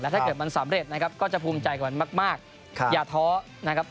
ถ้าเกิดมันสำเร็จนะครับก็จะภูมิใจกว่ามันมากอย่าท้อนะครับ